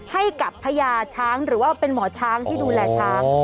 ให้กับพญาช้างหรือว่าเป็นหมอช้างที่ดูแลช้าง